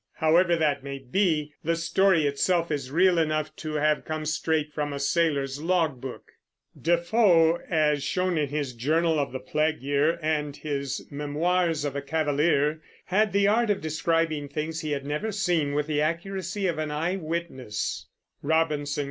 However that may be, the story itself is real enough to have come straight from a sailor's logbook. Defoe, as shown in his Journal of the Plague Year and his Memoirs of a Cavalier, had the art of describing things he had never seen with the accuracy of an eyewitness.